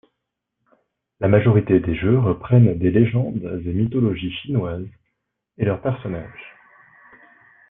La majorité des jeux reprennent des légendes et mythologies chinoises et leur personnages.